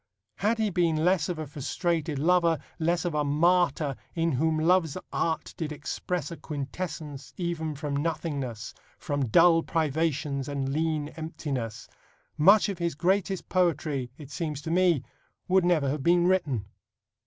Had he been less of a frustrated lover, less of a martyr, in whom love's Art did express A quintessence even from nothingness, From dull privations and lean emptiness, much of his greatest poetry, it seems to me, would never have been written.